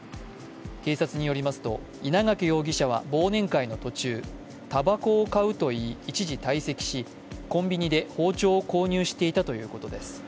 警察によりますと稲垣容疑者は忘年会の途中、たばこを買うと言い、一時退席しコンビニで包丁を購入していたということです。